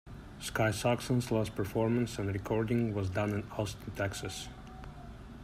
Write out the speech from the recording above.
Sky Saxon's last performance and recording was done in Austin, Texas.